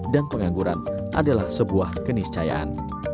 dan pengangguran adalah sebuah keniscayaan